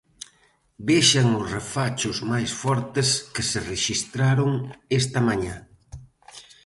Vexan os refachos máis fortes que se rexistraron esta mañá.